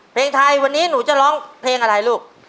เพลงไทยวันนี้หนูจะร้องเพลงอะไรลูก